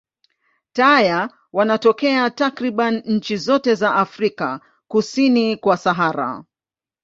Taya wanatokea takriban nchi zote za Afrika kusini kwa Sahara.